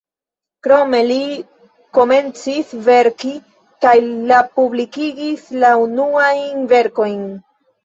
Krome li komencis verki kaj la publikigis la unuajn verkojn.